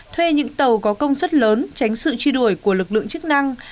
thuê những tàu có công suất lớn tránh sự truy đuổi của lực lượng chức năng